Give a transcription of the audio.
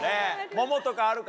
萌々とかあるか？